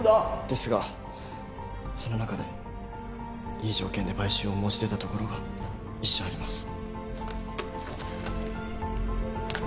ですがその中でいい条件で買収を申し出たところが一社あります。